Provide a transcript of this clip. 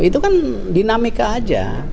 itu kan dinamika aja